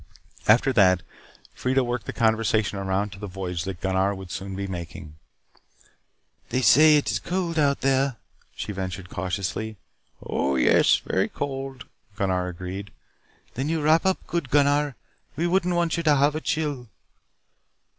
After that, Freida worked the conversation around to the voyage that Gunnar would soon be making. "They say it is cold out there," she ventured cautiously. "Oh, yes. Very cold." Gunnar agreed. "Then you wrap up good, Gunnar. We wouldn't want you to have a chill."